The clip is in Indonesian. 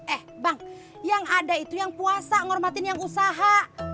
eh bang yang ada itu yang puasa hormatin yang usaha